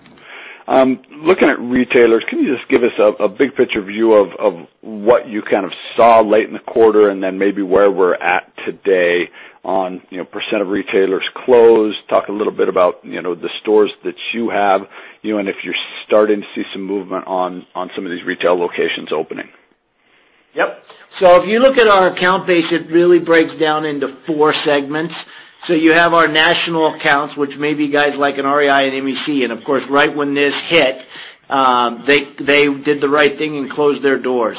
Looking at retailers, can you just give us a big picture view of what you kind of saw late in the quarter and then maybe where we're at today on % of retailers closed? Talk a little bit about the stores that you have, and if you're starting to see some movement on some of these retail locations opening. Yep. If you look at our account base, it really breaks down into four segments. You have our national accounts, which may be guys like an REI and MEC, and of course, right when this hit, they did the right thing and closed their doors.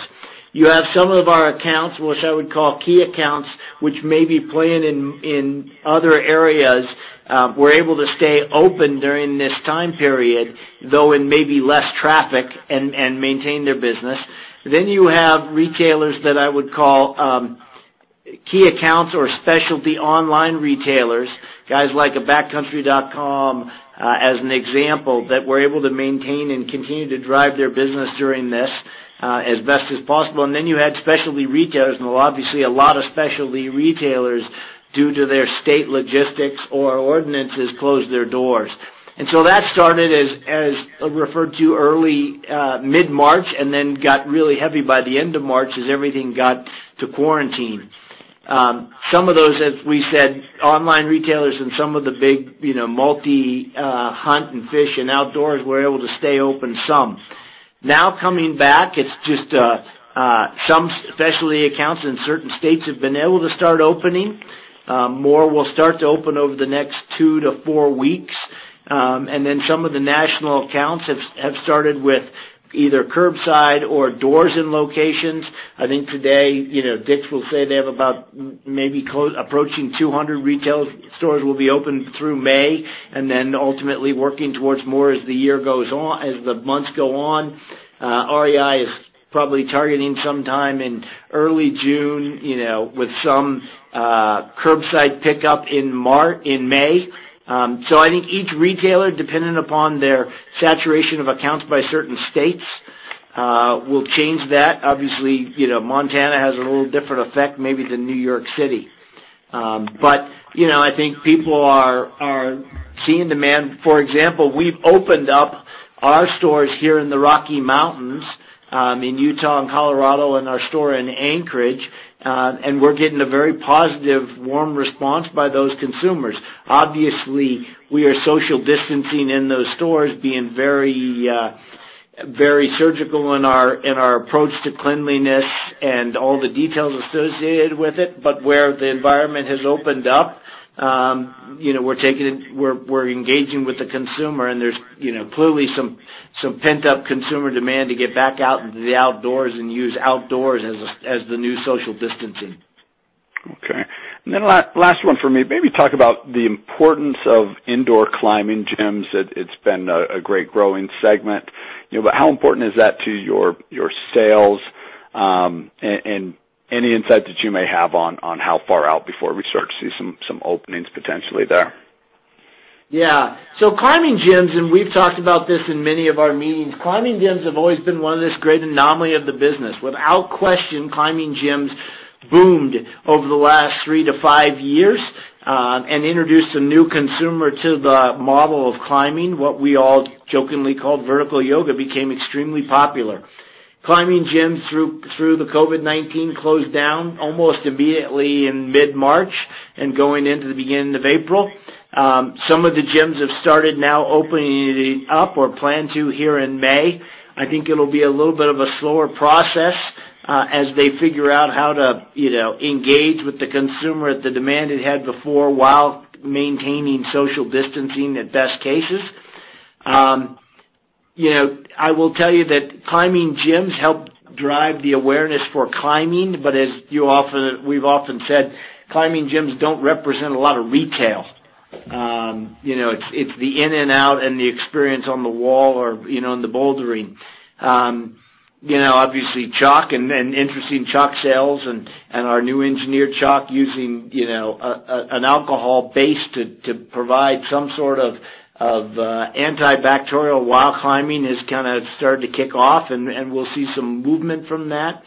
You have some of our accounts, which I would call key accounts, which may be playing in other areas, were able to stay open during this time period, though in maybe less traffic, and maintain their business. Then you have retailers that I would call key accounts or specialty online retailers, guys like a Backcountry.com, as an example, that were able to maintain and continue to drive their business during this, as best as possible. You had specialty retailers, and obviously a lot of specialty retailers, due to their state logistics or ordinances, closed their doors. That started as referred to early-mid March, and then got really heavy by the end of March as everything got to quarantine. Some of those, as we said, online retailers and some of the big multi hunt and fish and outdoors were able to stay open some. Now coming back, it's just some specialty accounts in certain states have been able to start opening. More will start to open over the next two to four weeks. Some of the national accounts have started with either curbside or doors in locations. I think today, Dick's will say they have about maybe approaching 200 retail stores will be open through May, and then ultimately working towards more as the months go on. REI is probably targeting some time in early June with some curbside pickup in May. I think each retailer, depending upon their saturation of accounts by certain states, will change that. Obviously, Montana has a little different effect maybe than New York City. But I think people are seeing demand. For example, we've opened up our stores here in the Rocky Mountains, in Utah and Colorado, and our store in Anchorage, and we're getting a very positive, warm response by those consumers. Obviously, we are social distancing in those stores, being very surgical in our approach to cleanliness and all the details associated with it. But where the environment has opened up, we're engaging with the consumer and there's clearly some pent-up consumer demand to get back out into the outdoors and use outdoors as the new social distancing. Okay. Last one for me. Maybe talk about the importance of indoor climbing gyms. It's been a great growing segment. How important is that to your sales, and any insight that you may have on how far out before we start to see some openings potentially there? Climbing gyms, and we've talked about this in many of our meetings, climbing gyms have always been one of this great anomaly of the business. Without question, climbing gyms boomed over the last 3 to 5 years, and introduced a new consumer to the model of climbing. What we all jokingly called vertical yoga became extremely popular. Climbing gyms, through the COVID-19, closed down almost immediately in mid-March and going into the beginning of April. Some of the gyms have started now opening up or plan to here in May. I think it'll be a little bit of a slower process, as they figure out how to engage with the consumer at the demand it had before while maintaining social distancing at best cases. I will tell you that climbing gyms help drive the awareness for climbing, but as we've often said, climbing gyms don't represent a lot of retail. It's the in and out and the experience on the wall or in the bouldering. Obviously chalk and interesting chalk sales and our new engineered chalk using an alcohol base to provide some sort of antibacterial while climbing has kind of started to kick off, and we'll see some movement from that.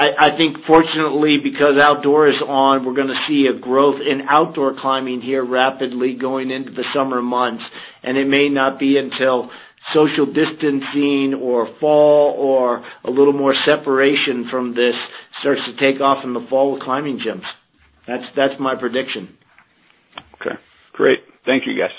I think fortunately because outdoor is on, we're going to see a growth in outdoor climbing here rapidly going into the summer months, and it may not be until social distancing or fall or a little more separation from this starts to take off in the fall with climbing gyms. That's my prediction. Okay, great. Thank you, guys.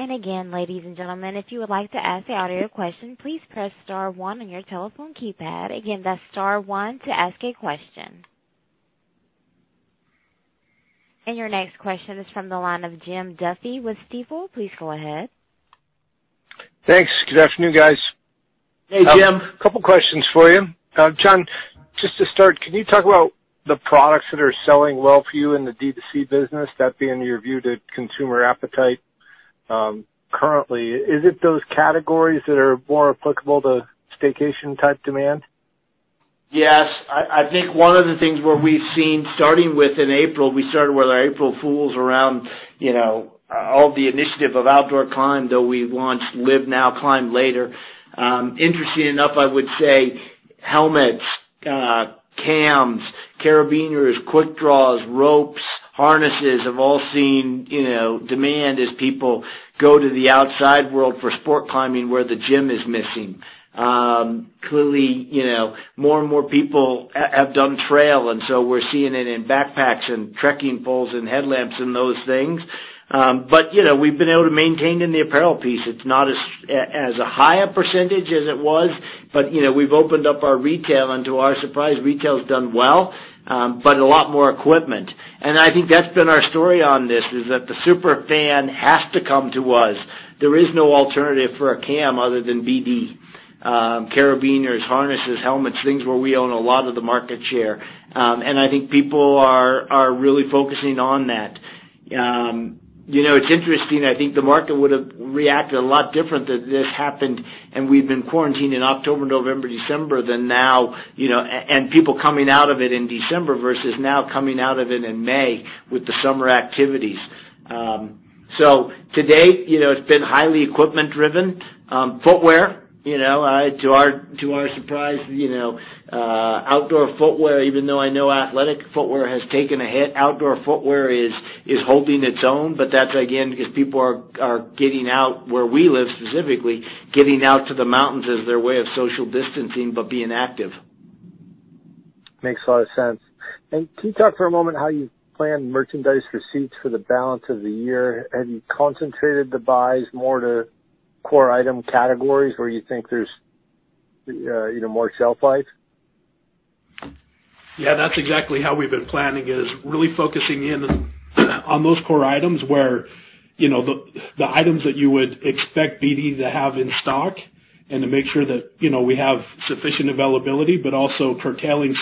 Again, ladies and gentlemen, if you would like to ask the operator a question, please press star one on your telephone keypad. Again, that's star one to ask a question. Your next question is from the line of Jim Duffy with Stifel. Please go ahead. Thanks. Good afternoon, guys. Hey, Jim. A couple questions for you. John, just to start, can you talk about the products that are selling well for you in the D2C business, that being your view to consumer appetite currently? Is it those categories that are more applicable to staycation type demand? Yes. I think one of the things where we've seen starting with in April, we started with our April Fools around all the initiative of outdoor climb, though we launched Live Now, Climb Later. Interesting enough, I would say helmets, cams, carabiners, quickdraws, ropes, harnesses, have all seen demand as people go to the outside world for sport climbing where the gym is missing. Clearly, more and more people have done trail, we're seeing it in backpacks and trekking poles and headlamps and those things. We've been able to maintain in the apparel piece. It's not as a high a % as it was, but we've opened up our retail, and to our surprise, retail's done well, but a lot more equipment. I think that's been our story on this, is that the super fan has to come to us. There is no alternative for a cam other than BD. Carabiners, harnesses, helmets, things where we own a lot of the market share. I think people are really focusing on that. It's interesting. I think the market would've reacted a lot different had this happened and we'd been quarantined in October, November, December, and people coming out of it in December versus now coming out of it in May with the summer activities. To date, it's been highly equipment driven. Footwear. To our surprise, outdoor footwear, even though I know athletic footwear has taken a hit, outdoor footwear is holding its own. That's, again, because people are, where we live specifically, getting out to the mountains as their way of social distancing, but being active. Makes a lot of sense. Can you talk for a moment how you plan merchandise receipts for the balance of the year? Have you concentrated the buys more to core item categories where you think there's more shelf life? Yeah, that's exactly how we've been planning is really focusing in on those core items where the items that you would expect BD to have in stock and to make sure that we have sufficient availability, but also curtailing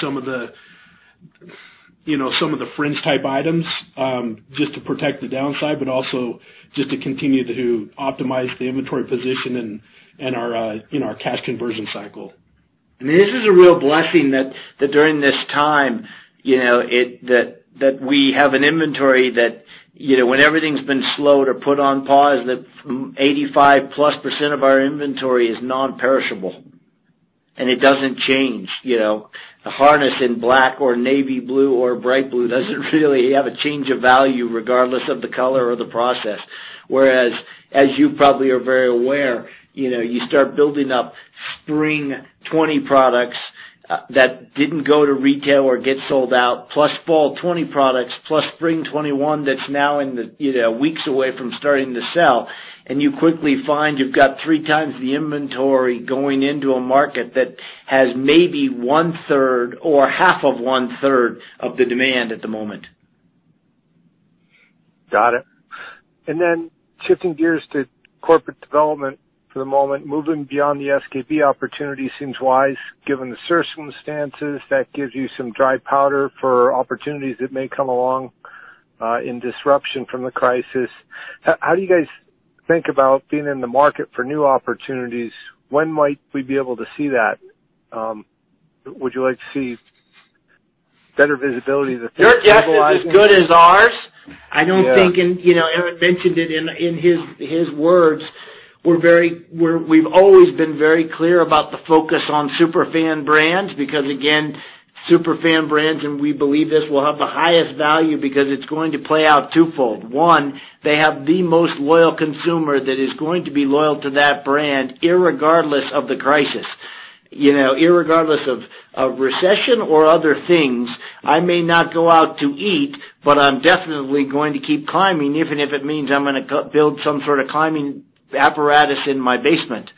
some of the fringe type items, just to protect the downside, but also just to continue to optimize the inventory position and our cash conversion cycle. This is a real blessing that during this time, that we have an inventory that when everything's been slowed or put on pause, that 85%+ of our inventory is non-perishable, and it doesn't change. A harness in black or navy blue or bright blue doesn't really have a change of value regardless of the color or the process. As you probably are very aware you start building up spring 2020 products that didn't go to retail or get sold out, plus fall 2020 products, plus spring 2021, that's now weeks away from starting to sell, and you quickly find you've got three times the inventory going into a market that has maybe one-third or half of 1.3 of the demand at the moment. Got it. Shifting gears to corporate development for the moment. Moving beyond the SKINourishment opportunity seems wise given the circumstances. That gives you some dry powder for opportunities that may come along in disruption from the crisis. How do you guys think about being in the market for new opportunities? When might we be able to see that? Would you like to see better visibility that things stabilize. Their guess is as good as ours. Yeah. Aaron mentioned it in his words. We've always been very clear about the focus on super fan brands, because again, super fan brands, and we believe this will have the highest value because it's going to play out twofold. One, they have the most loyal consumer that is going to be loyal to that brand irregardless of the crisis. Irregardless of recession or other things, I may not go out to eat, but I'm definitely going to keep climbing, even if it means I'm going to build some sort of climbing apparatus in my basement.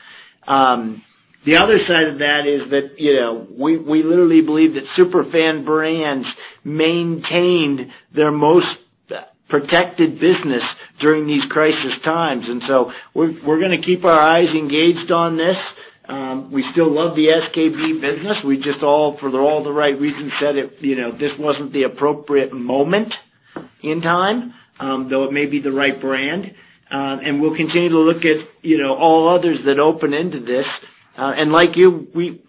The other side of that is that we literally believe that super fan brands maintained their most protected business during these crisis times. We're going to keep our eyes engaged on this. We still love the SKINourishment business. We just, for all the right reasons, said this wasn't the appropriate moment in time, though it may be the right brand. We'll continue to look at all others that open into this. Like you, we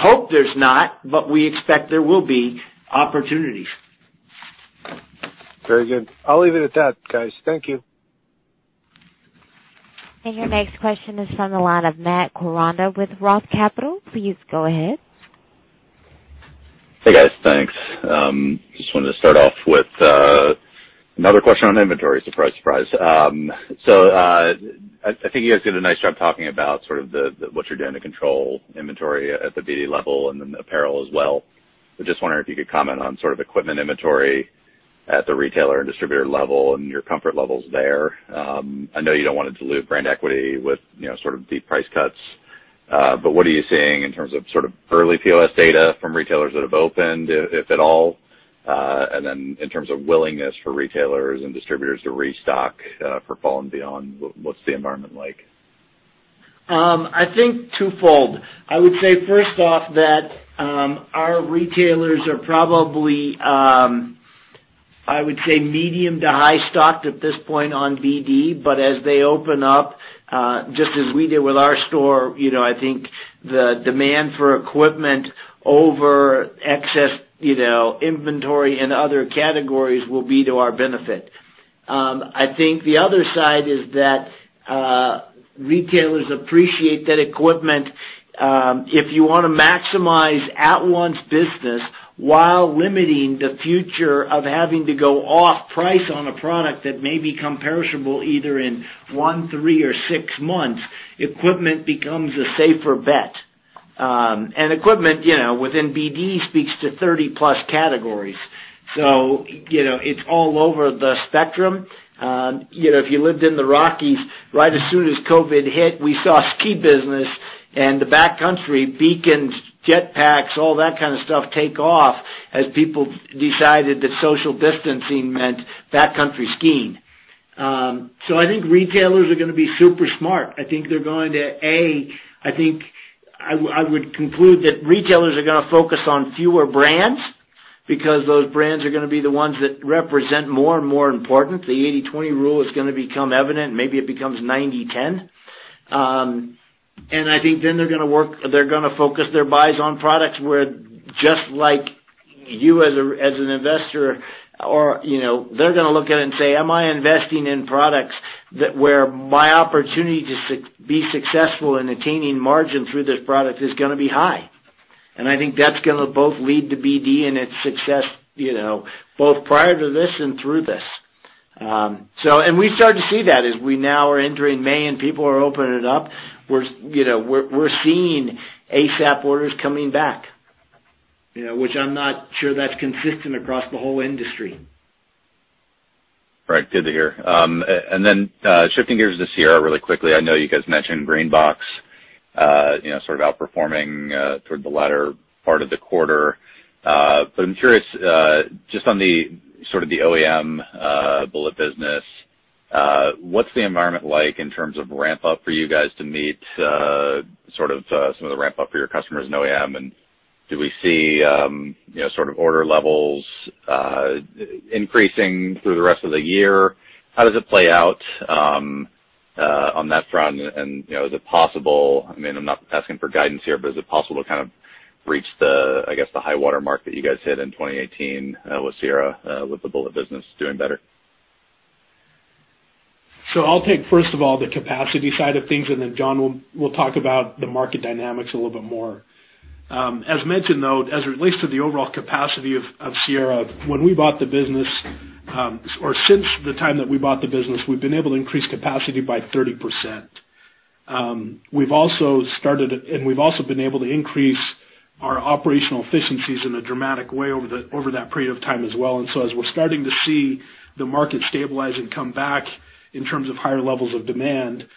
hope there's not, but we expect there will be opportunities. Very good. I'll leave it at that, guys. Thank you. Your next question is from the line of Matt Koranda with ROTH Capital. Please go ahead. Hey, guys. Thanks. Just wanted to start off with another question on inventory. Surprise, surprise. I think you guys did a nice job talking about sort of what you're doing to control inventory at the BD level and then apparel as well. I was just wondering if you could comment on sort of equipment inventory at the retailer and distributor level and your comfort levels there. I know you don't want to dilute brand equity with sort of deep price cuts. What are you seeing in terms of sort of early POS data from retailers that have opened, if at all? In terms of willingness for retailers and distributors to restock for fall and beyond, what's the environment like? I think twofold. I would say, first off, that our retailers are probably, I would say, medium to high stocked at this point on BD, but as they open up, just as we did with our store, I think the demand for equipment over excess inventory in other categories will be to our benefit. I think the other side is that retailers appreciate that equipment. If you want to maximize at-once business while limiting the future of having to go off price on a product that may become perishable either in one, three, or six months, equipment becomes a safer bet. Equipment, within BD, speaks to 30+ categories. It's all over the spectrum. If you lived in the Rockies, right as soon as COVID-19 hit, we saw ski business and the backcountry beacons, Jet packs, all that kind of stuff take off as people decided that social distancing meant backcountry skiing. I think retailers are going to be super smart. I think I would conclude that retailers are going to focus on fewer brands because those brands are going to be the ones that represent more and more important. The 80/20 rule is going to become evident. Maybe it becomes 90/10. I think then they're going to focus their buys on products where just like you as an investor, they're going to look at it and say, "Am I investing in products where my opportunity to be successful in attaining margin through this product is going to be high?" I think that's going to both lead to BD and its success, both prior to this and through this. We start to see that as we now are entering May and people are opening it up. We're seeing ASAP orders coming back, which I'm not sure that's consistent across the whole industry. Right. Good to hear. Then, shifting gears to Sierra really quickly. I know you guys mentioned Green Box sort of outperforming toward the latter part of the quarter. I'm curious, just on the sort of the OEM bullet business, what's the environment like in terms of ramp up for you guys to meet sort of some of the ramp up for your customers in OEM? Do we see sort of order levels increasing through the rest of the year? How does it play out on that front? Is it possible, I'm not asking for guidance here, but is it possible to kind of reach the high water mark that you guys hit in 2018 with Sierra, with the bullet business doing better? I'll take, first of all, the capacity side of things, and then John will talk about the market dynamics a little bit more. As mentioned, though, as it relates to the overall capacity of Sierra, when we bought the business, or since the time that we bought the business, we've been able to increase capacity by 30%. We've also been able to increase our operational efficiencies in a dramatic way over that period of time as well. As we're starting to see the market stabilize and come back in terms of higher levels of demand,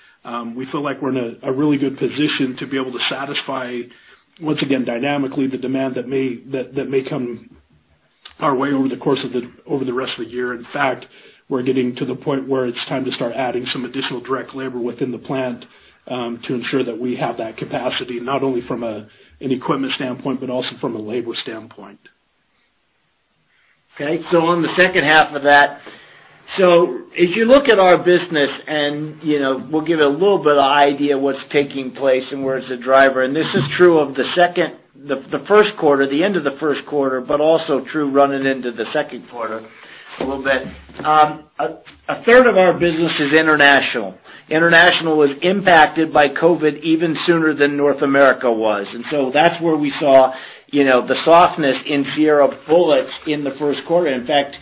we feel like we're in a really good position to be able to satisfy, once again, dynamically, the demand that may come our way over the course of the rest of the year. In fact, we're getting to the point where it's time to start adding some additional direct labor within the plant, to ensure that we have that capacity, not only from an equipment standpoint, but also from a labor standpoint. On the second half of that. If you look at our business, and we'll give a little bit of idea of what's taking place and where it's a driver, and this is true of the end of the first quarter, but also true running into the second quarter a little bit. A third of our business is international. International was impacted by COVID even sooner than North America was, that's where we saw the softness in Sierra Bullets in the first quarter. In fact,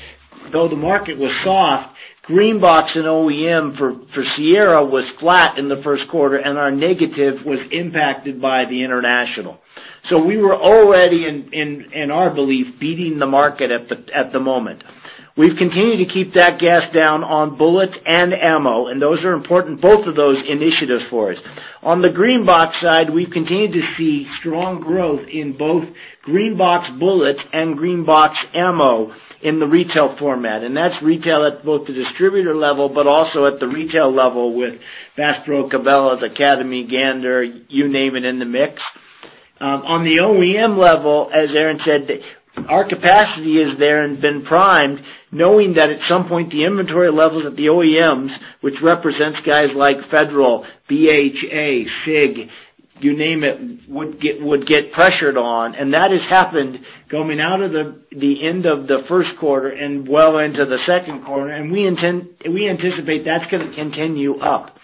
though the market was soft, Green Box and OEM for Sierra was flat in the first quarter, our negative was impacted by the international. We were already, in our belief, beating the market at the moment. We've continued to keep that gas down on bullets and ammo, those are important, both of those initiatives for us. On the Green Box side, we've continued to see strong growth in both Green Box bullets and Green Box ammo in the retail format. That's retail at both the distributor level, but also at the retail level with Bass Pro Shops, Cabela's, Academy Sports + Outdoors, Gander Outdoors, you name it, in the mix. On the OEM level, as Aaron said, our capacity is there and been primed, knowing that at some point, the inventory levels at the OEMs, which represents guys like Federal Ammunition, Black Hills Ammunition, SIG Sauer, you name it, would get pressured on. That has happened coming out of the end of the first quarter and well into the second quarter, and we anticipate that's going to continue up.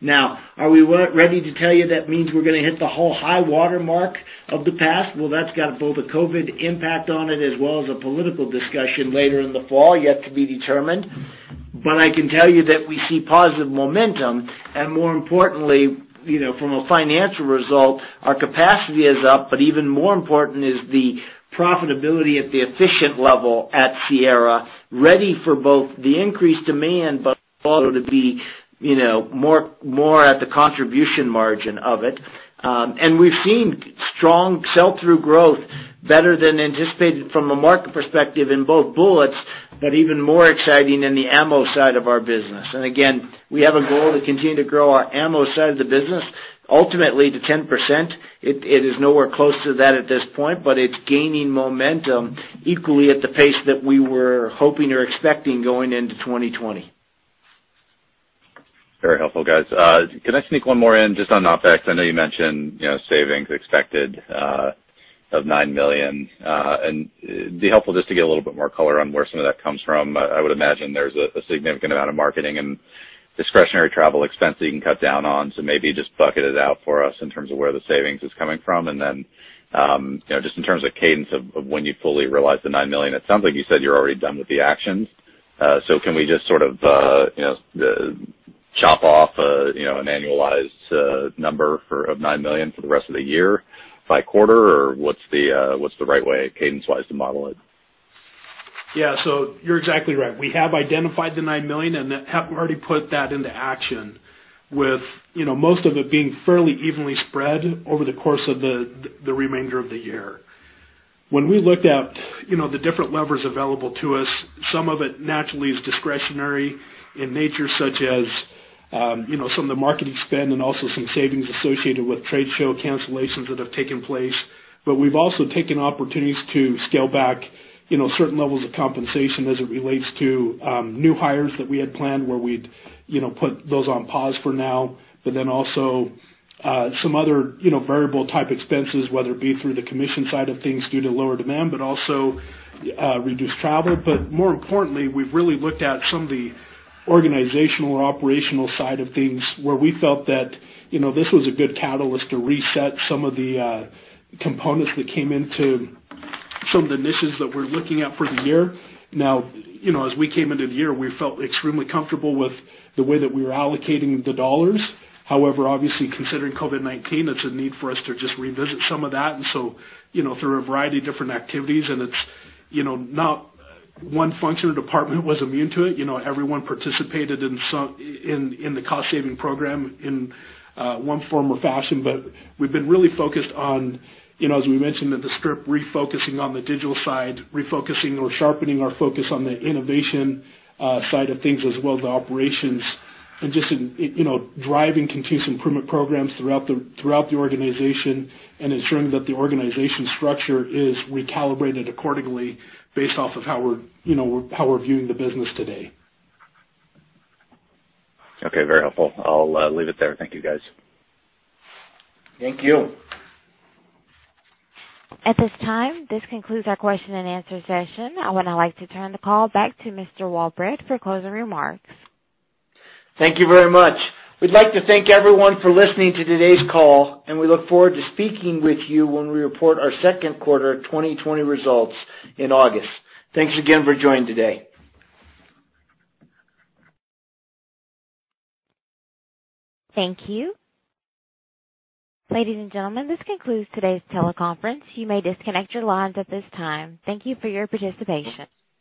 Now, are we ready to tell you that means we're going to hit the whole high water mark of the past? Well, that's got both a COVID impact on it as well as a political discussion later in the fall, yet to be determined. I can tell you that we see positive momentum, and more importantly, from a financial result, our capacity is up. Even more important is the profitability at the efficient level at Sierra, ready for both the increased demand, but also to be more at the contribution margin of it. We've seen strong sell-through growth, better than anticipated from a market perspective in both bullets, but even more exciting in the ammo side of our business. Again, we have a goal to continue to grow our ammo side of the business, ultimately to 10%. It is nowhere close to that at this point, but it's gaining momentum equally at the pace that we were hoping or expecting going into 2020. Very helpful, guys. Can I sneak one more in just on OpEx? I know you mentioned savings expected of $9 million. It'd be helpful just to get a little bit more color on where some of that comes from. I would imagine there's a significant amount of marketing and discretionary travel expense that you can cut down on. Maybe just bucket it out for us in terms of where the savings is coming from. Then, just in terms of cadence of when you fully realize the $9 million, it sounds like you said you're already done with the actions. Can we just sort of chop off an annualized number of $9 million for the rest of the year by quarter, or what's the right way, cadence wise, to model it? Yeah. You're exactly right. We have identified the $9 million and have already put that into action with most of it being fairly evenly spread over the course of the remainder of the year. When we looked at the different levers available to us, some of it naturally is discretionary in nature, such as some of the marketing spend and also some savings associated with trade show cancellations that have taken place. We've also taken opportunities to scale back certain levels of compensation as it relates to new hires that we had planned, where we'd put those on pause for now. Also some other variable type expenses, whether it be through the commission side of things due to lower demand, but also reduced travel. More importantly, we've really looked at some of the organizational or operational side of things where we felt that this was a good catalyst to reset some of the components that came into some of the niches that we're looking at for the year. As we came into the year, we felt extremely comfortable with the way that we were allocating the dollars. Obviously considering COVID-19, it's a need for us to just revisit some of that through a variety of different activities. It's not one function or department was immune to it. Everyone participated in the cost-saving program in one form or fashion. We've been really focused on, as we mentioned at the script, refocusing on the digital side, refocusing or sharpening our focus on the innovation side of things as well as the operations and just driving continuous improvement programs throughout the organization and ensuring that the organization structure is recalibrated accordingly based off of how we're viewing the business today. Okay, very helpful. I'll leave it there. Thank you guys. Thank you. At this time, this concludes our question-and-answer session. I would now like to turn the call back to Mr. Walbrecht for closing remarks. Thank you very much. We'd like to thank everyone for listening to today's call, and we look forward to speaking with you when we report our second quarter 2020 results in August. Thanks again for joining today. Thank you. Ladies and gentlemen, this concludes today's teleconference. You may disconnect your lines at this time. Thank you for your participation.